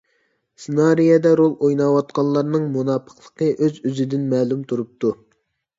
سېنارىيەدە رول ئويناۋاتقانلارنىڭ مۇناپىقلىقى ئۆز ئۆزىدىن مەلۇم تۇرۇپتۇ.